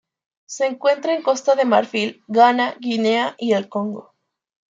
Se encuentra en Costa de Marfil, Ghana, Guinea y el Congo.